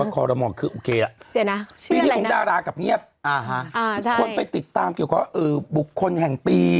คนไปติดตามเกี่ยวกับว่าอืมบุคคลแห่งปี